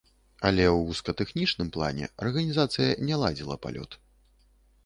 Але ў вузкатэхнічным плане арганізацыя не ладзіла палёт.